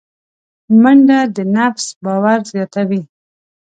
منډه د نفس باور زیاتوي